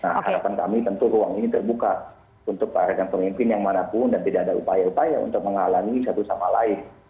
nah harapan kami tentu ruang ini terbuka untuk para rekan pemimpin yang manapun dan tidak ada upaya upaya untuk menghalangi satu sama lain